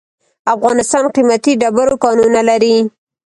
افغانستان قیمتي ډبرو کانونه لري.